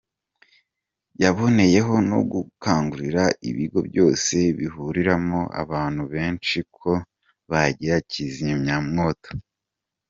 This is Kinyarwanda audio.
Yaboneyeho no gukangurira ibigo byose bihuriramo abantu benshi ko bagira kizimyamwoto.